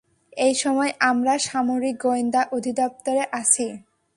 এই সময় আমরা সামরিক গোয়েন্দা অধিদপ্তরে আছি।